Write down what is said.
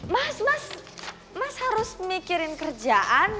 mas mas mas harus mikirin kerjaan